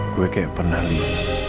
gue kayak pernah lihat